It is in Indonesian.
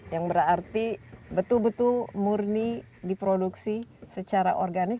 yang berarti betul betul murni diproduksi secara organik